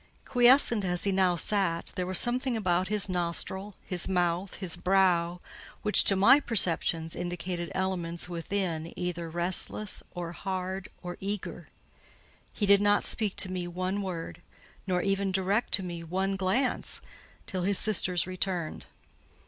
Quiescent as he now sat, there was something about his nostril, his mouth, his brow, which, to my perceptions, indicated elements within either restless, or hard, or eager. He did not speak to me one word, nor even direct to me one glance, till his sisters returned.